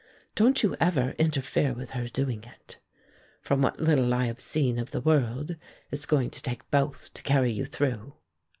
Don't you ever interfere with her doing it. From what little I have seen of the world, it's going to take both to carry you through."